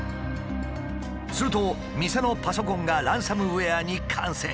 すると店のパソコンがランサムウエアに感染。